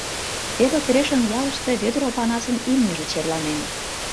Теве Крешын ялыште Вӧдыр Опанасын имньыже черланен.